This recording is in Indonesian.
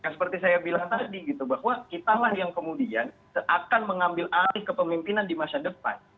seperti saya bilang tadi kita yang kemudian akan mengambil alih kepemimpinan di masa depan